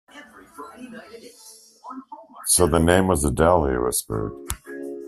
"So the name was Adele," he whispered.